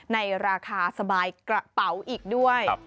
ในราคาสบายกระเป๋าอีกด้วย